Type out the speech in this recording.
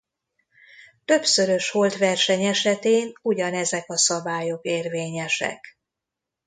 Többszörös holtverseny esetén ugyanezek a szabályok érvényesek.